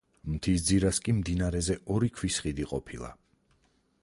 მთის ძირას კი მდინარეზე ორი ქვის ხიდი ყოფილა.